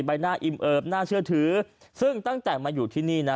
ใบหน้าอิ่มเอิบน่าเชื่อถือซึ่งตั้งแต่มาอยู่ที่นี่นะ